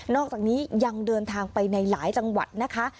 อกจากนี้ยังเดินทางไปในหลายจังหวัดนะคะ